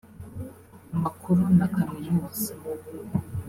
amakuru na kaminuza